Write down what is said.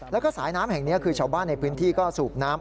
แล้วก็สายน้ำแห่งนี้คือชาวบ้านในพื้นที่ก็สูบน้ำ